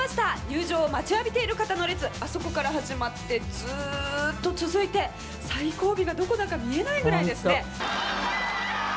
「入場を待ちわびている方の列あそこから始まってずーっと続いて最後尾がどこだか見えないぐらいですね」